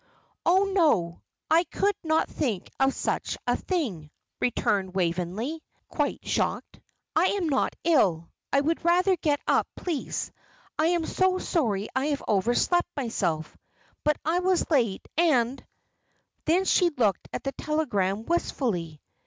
"Oh, no, I could not think of such a thing," returned Waveney, quite shocked. "I am not ill. I would rather get up, please. I am so sorry I have overslept myself; but I was late, and " Then she looked at the telegram wistfully.